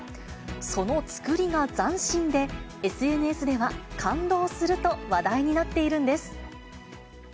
その作りが斬新で、ＳＮＳでは感動すると話題になっているんです。